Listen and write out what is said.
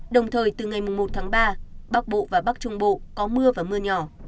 đồng thời từ ngày một tháng ba bắc bộ và bắc trung bộ có mưa và mưa nhỏ